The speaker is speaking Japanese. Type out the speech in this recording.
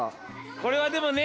これはでもね。